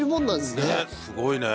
ねっすごいね。